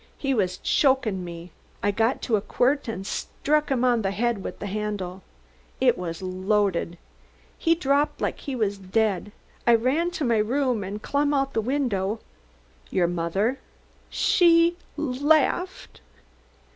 He was chokin' me. I got to a quirt and struck him on the head with the handle. It was loaded. He dropped like he was dead. I ran to my room and clum out the window " "Your mother " "She laughed."